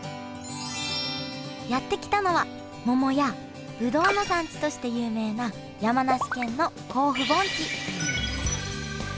やって来たのは桃やぶどうの産地として有名な山梨県の甲府盆地